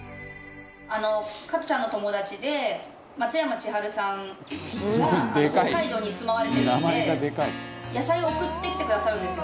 あの加トちゃんの友達で松山千春さんが北海道に住まわれてるんで野菜を送ってきてくださるんですよ